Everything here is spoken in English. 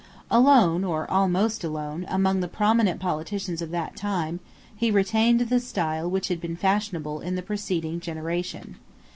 Alone, or almost alone, among the prominent politicians of that time, he retained the style which had been fashionable in the preceding generation.